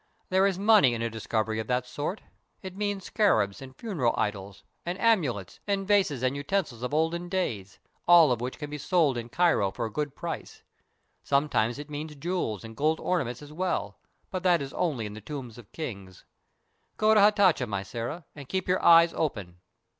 There is money in a discovery of that sort. It means scarabs, and funeral idols, and amulets, and vases and utensils of olden days, all of which can be sold in Cairo for a good price. Sometimes it means jewels and gold ornaments as well; but that is only in the tombs of kings. Go to Hatatcha, my Sĕra, and keep your eyes open.